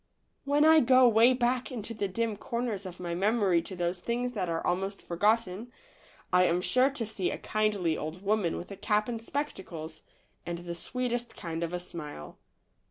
AYhen I go way back into the dim corners of my memory to those things that are almost forgotten, I am sure to see a kindly old woman with a cap and spectacles, and the sweetest kind of a smile.